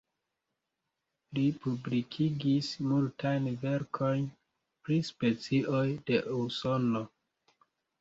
Li publikigis multajn verkojn pri specioj de Usono.